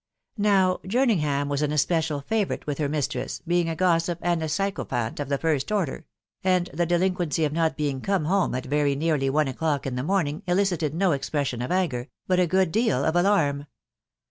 l^ow Jefriingham was an especial favourites wfth her mis tress, being a gossip ana a sycophant of the* first order ; and the delinquency of not being come home at very nearly one o'clock in the morning, elicited1 no egression of anger, but a good deal of alarm.